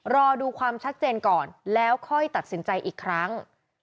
รอดูความชัดเจนก่อนแล้วค่อยตัดสินใจอีกครั้ง